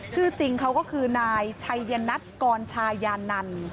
ชื่อจริงเขาก็คือนายชัยนัทกรชายานัน